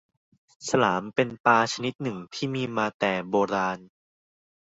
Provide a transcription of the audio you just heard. ฉลามเป็นปลาชนิดหนึ่งที่มีมาแต่โบราณ